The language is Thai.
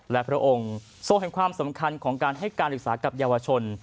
และพระองค์ทรงแห่งความสำคัญของการให้การศึกษากับเยาวชน